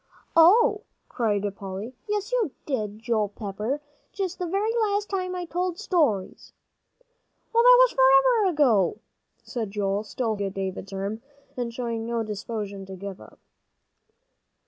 "Oh!" cried Polly, "yes, you did, Joel Pepper, just the very last time I told stories." "Well, that was just forever ago," said Joel, still holding David's arm, and showing no disposition to give up.